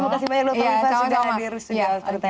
terima kasih banyak dokter lipa sudah hadir